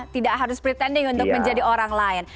tidak harus pretanding untuk menjadi orang lain